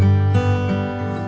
terima kasih ya mas